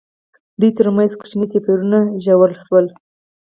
دوی ترمنځ کوچني توپیرونه ژور شول.